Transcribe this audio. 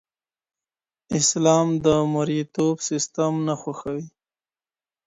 اسلام د مرييتوب سیستم نه خوښوي.